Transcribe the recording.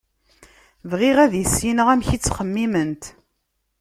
Bɣiɣ ad issineɣ amek i ttxemmiment.